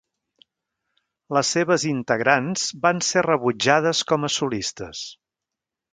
Les seves integrants van ser rebutjades com a solistes.